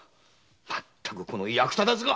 まったくこの役立たずが！